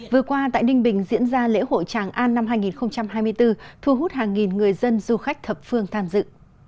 vừa qua tại ninh bình diễn ra lễ hội tràng an năm hai nghìn hai mươi bốn thu hút hàng nghìn người dân du khách thập phương tham dự